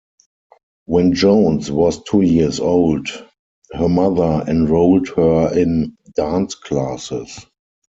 When Jones was two years old, her mother enrolled her in dance classes.